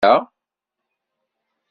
Aql-ikem ccwi imir-a?